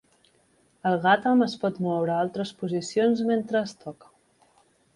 El ghatam es pot moure a altres posicions mentre es toca.